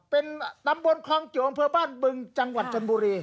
เป็นตำบลคลองจวอำเภอบ้านบึงจังหวัดชนบุรี